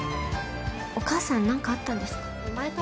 お母さんに何かあったんですか？